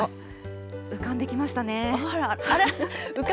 浮かんできましたね。